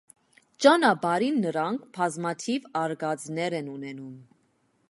Ճանապարհին նրանք բազմաթիվ արկածներ են ունենում։